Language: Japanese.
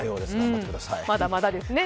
まだまだですね。